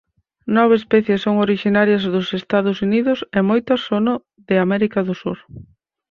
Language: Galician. Nove especies son orixinarias dos Estados Unidos e moitas sono de América do Sur.